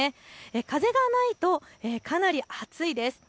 風がないとかなり暑いです。